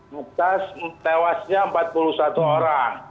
atas tewasnya empat puluh satu orang